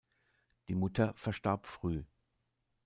Die Mutter verstarb früh.